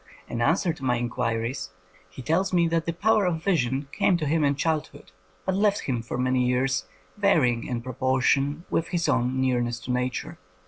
In answer to my inquiries, he tells me that the power of vision came to him in childhood, but left him for many years, varying in proportion with his own nearness to Nature.